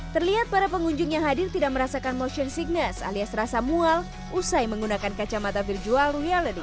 terlihat para pengunjung yang hadir tidak merasakan motion sickness alias rasa mual usai menggunakan kacamata virtual reality